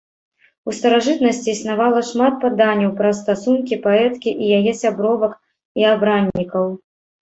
У старажытнасці існавала шмат паданняў пра стасункі паэткі і яе сябровак і абраннікаў.